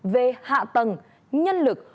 về hạ tầng nhân lực